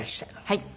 はい。